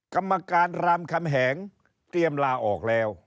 กรรมการรามคำแหงเตรียมลาออกแล้ว